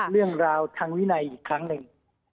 เรื่องราวทางวินัยอีกครั้งหนึ่ง